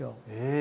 え！